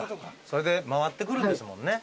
それで回ってくるんですもんね。